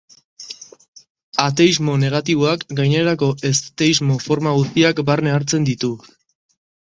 Ateismo negatiboak gainerako ez-teismo forma guztiak barne hartzen ditu.